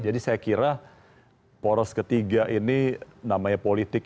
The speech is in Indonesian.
jadi saya kira poros ketiga ini namanya politik